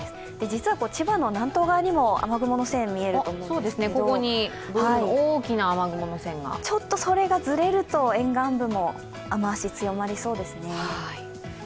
実は千葉の南東側にも雨雲の線、見えると思うんですが、ちょっとそれがずれると沿岸部も雨足、強まりそうですね。